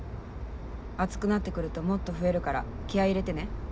暑くなって来るともっと増えるから気合入れてね。